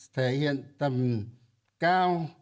thể hiện tầm cao